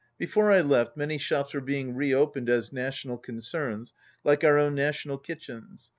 Before I left many shops were being reopened as national concerns, like our own National Kitchens.